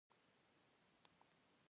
لمسی د ژوند بڼ تازه کوي.